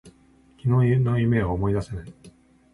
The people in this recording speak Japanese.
昨日の夢を思い出せない。